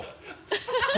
ハハハ